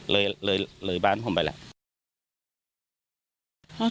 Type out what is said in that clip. เลยเลยบ้านผมไปแหละ